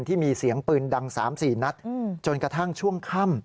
ที่มีเสียงปืนดัง๓๔นัดจนกระทั่งช่วงค่ำ